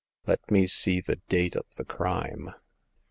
Let me see the date of the crime.